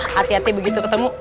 hati hati begitu ketemu